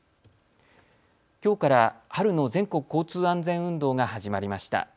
きょうから春の全国交通安全運動が始まりました。